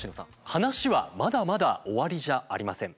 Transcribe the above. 話はまだまだ終わりじゃありません。